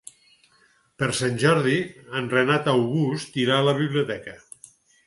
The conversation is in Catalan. Per Sant Jordi en Renat August irà a la biblioteca.